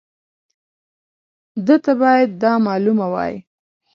ده ته باید دا معلومه وای.